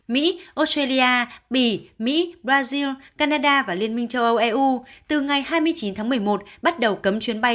mỹ australia bỉ mỹ brazil canada và liên minh châu âu eu từ ngày hai mươi chín tháng một mươi một bắt đầu cấm chuyến bay